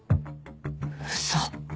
嘘。